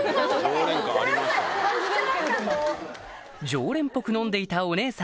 常連っぽく飲んでいたお姉さんと